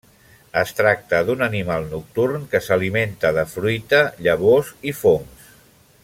Es tracta d'un animal nocturn que s'alimenta de fruita, llavors i fongs.